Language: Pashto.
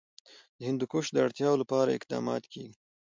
د هندوکش د اړتیاوو لپاره اقدامات کېږي.